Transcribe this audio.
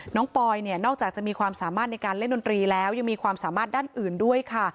ปอยเนี่ยนอกจากจะมีความสามารถในการเล่นดนตรีแล้วยังมีความสามารถด้านอื่นด้วยค่ะ